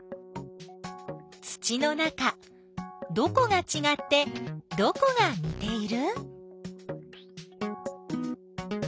土の中どこがちがってどこがにている？